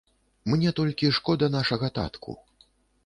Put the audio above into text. Мне толькі шкода нашага татку.